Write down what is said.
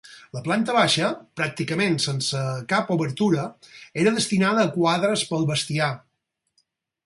La planta baixa, pràcticament sense cap obertura, era destinada a quadres pel bestiar.